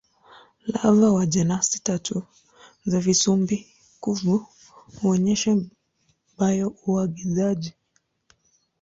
Lava wa jenasi tatu za visubi-kuvu huonyesha bio-uangazaji.